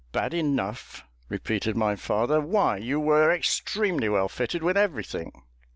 "Bad enough!" repeated my father, "why you were extremely well fitted with everything."